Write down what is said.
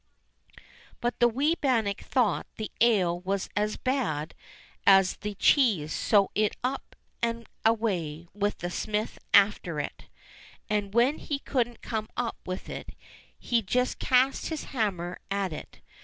But the wee bannock thought the ale was as bad as the cheese, so it up and away, with the smith after it. And when he couldn't come up with it, he just cast his hammer at it.